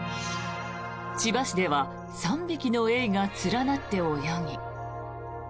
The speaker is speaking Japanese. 千葉市では３匹のエイが連なって泳ぎ。